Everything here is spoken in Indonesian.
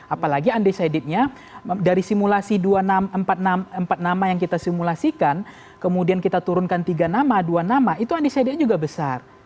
apalagi undecidednya dari simulasi empat nama yang kita simulasikan kemudian kita turunkan tiga nama dua nama itu undecided juga besar